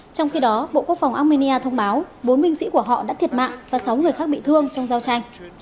trong khi đó bộ quốc phòng armenia thông báo bốn binh sĩ của họ đã thiệt mạng và sáu người khác bị thương trong giao tranh